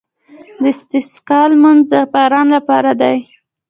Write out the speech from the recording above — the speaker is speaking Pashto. د استسقا لمونځ د باران لپاره دی.